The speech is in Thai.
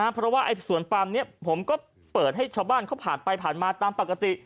เพราะว่าสวนปาร์มผมก็เปิดให้ชาวบ้านพาดไปถั้งตามปกติ